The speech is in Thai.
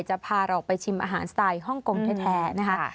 จะพาเราไปชิมอาหารสไตล์ฮ่องกงแท้นะคะ